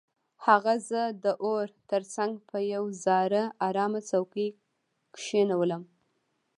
هغه زه د اور تر څنګ په یو زاړه ارامه څوکۍ کښینولم